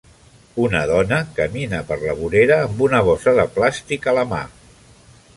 Una dona camina per la vorera amb una bossa de plàstic a la mà.